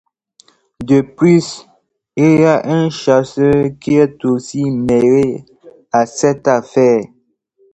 De plus il y a un chasseur qui est aussi mêler a cette affaire.